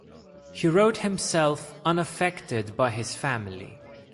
He wrote himself unaffected by his family.